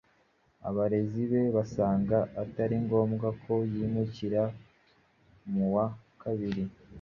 abarezi be basanga atari ngombwa ko yimukira muwa kabili